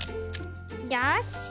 よし。